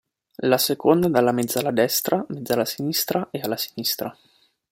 La seconda dalla mezzala destra, mezzala sinistra e ala sinistra.